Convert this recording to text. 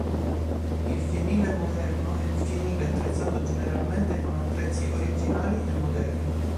Il fienile moderno è un fienile attrezzato generalmente con attrezzi originali e moderni.